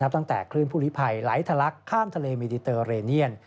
ตั้งแต่คลื่นผู้ลิภัยไหลทะลักข้ามทะเลมิดิเตอร์เรเนียน